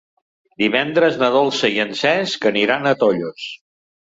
Divendres na Dolça i en Cesc aniran a Tollos.